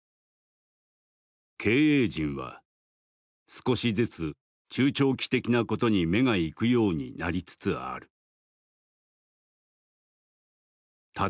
「経営陣は少しずつ中長期的なことに目がいくようになりつつある」。